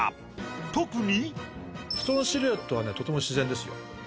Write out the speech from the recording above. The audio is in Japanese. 特に。